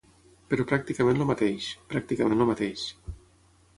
Però pràcticament el mateix, pràcticament el mateix.